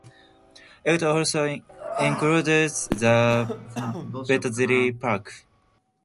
It also includes the Betzali Park.